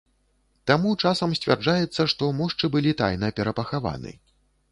Таму часам сцвярджаецца, што мошчы былі тайна перапахаваны.